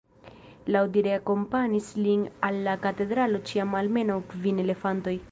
Laŭdire akompanis lin al la katedralo ĉiam almenaŭ kvin elefantoj.